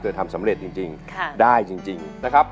แต่ทำสำเร็จจริงได้จริงนะครับ